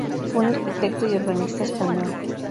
Fue un arquitecto y urbanista español.